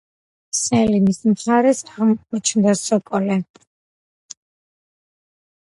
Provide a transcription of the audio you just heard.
სელიმის მხარეს აღმოჩნდა სოკოლუ.